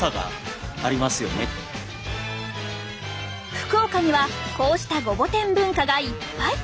福岡にはこうしたごぼ天文化がいっぱい。